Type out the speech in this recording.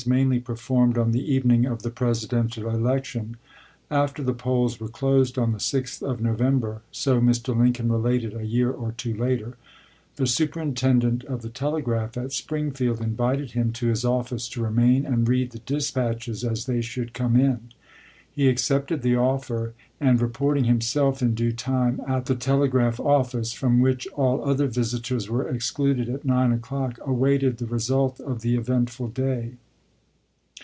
mainly performed on the evening of the Presi eS weiiea, dential election. After the polls were closed on the CoK.6a" 6th of November (so Mr. Lincoln related a year or phonal two later), the superintendent of the telegraph at alm°Msu~ Springfield invited him to his office to remain and read the dispatches as they should come in. He accepted the offer ; and reporting himself in due time at the telegraph office, from which all other visitors were excluded at 9 o'clock, awaited the result of the eventful day.